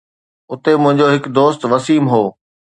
اتي منهنجو هڪ دوست وسيم هو